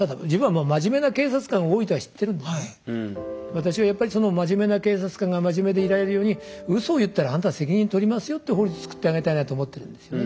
私はやっぱりその真面目な警察官が真面目でいられるようにウソを言ったらあんたが責任取りますよっていう法律作ってあげたいなと思ってるんですよね。